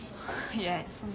いやそんな。